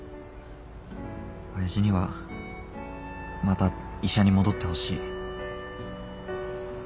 親父にはまた医者に戻ってほしい。